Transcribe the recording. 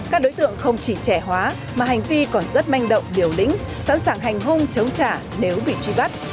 các đối tượng không chỉ trẻ hóa mà hành vi còn rất manh động điều lĩnh sẵn sàng hành hung chống trả nếu bị truy bắt